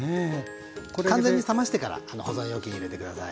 完全に冷ましてから保存容器に入れて下さい。